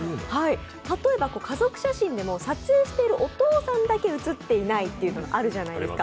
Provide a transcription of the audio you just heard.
例えば家族写真でも、撮影しているお父さんだけ写ってないってことがあるじゃないですか。